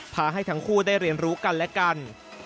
พาให้ทั้งคู่ได้เรียนรู้กันและกัน